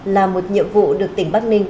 là một nhiệm vụ được tỉnh bắc ninh